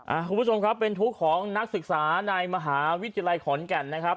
คุณผู้ชมครับเป็นทุกข์ของนักศึกษาในมหาวิทยาลัยขอนแก่นนะครับ